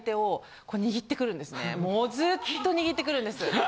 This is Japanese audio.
もうずっと握ってくるんです。